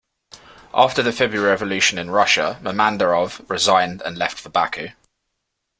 After the February Revolution in Russia Mehmandarov resigned and left for Baku.